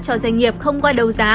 cho doanh nghiệp không qua đấu giá